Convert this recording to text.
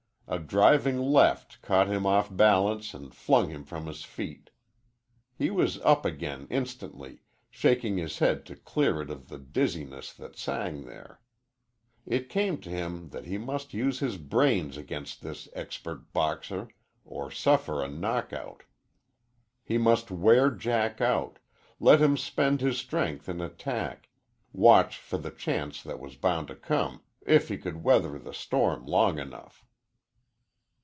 A driving left caught him off balance and flung him from his feet. He was up again instantly, shaking his head to clear it of the dizziness that sang there. It came to him that he must use his brains against this expert boxer or suffer a knockout. He must wear Jack out, let him spend his strength in attack, watch for the chance that was bound to come if he could weather the storm long enough.